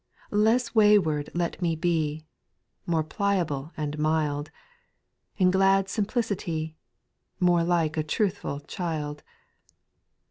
2. Less wayward let me be, More pliable and mild ; In glad simplicity. More like a truthful child.